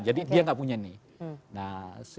jadi dia gak punya ini